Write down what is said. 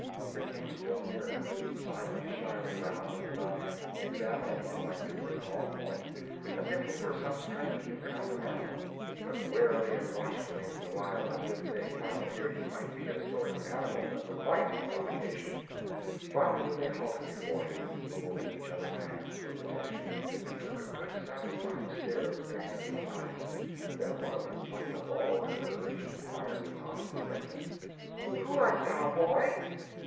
They came still nearer, sidling shyly around and about him, examining him minutely from all points, as if he were some strange new kind of animal, but warily and watchfully the while, as if they half feared he might be a sort of animal that would bite, upon occasion. Finally they halted before him, holding each other's hands for protection, and took a good satisfying stare with their innocent eyes; then one of them plucked up all her courage and inquired with honest directness "Who art thou, boy?"